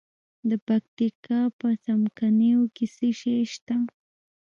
د پکتیا په څمکنیو کې څه شی شته؟